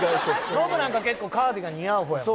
ノブなんか結構カーディガン似合う方やもんね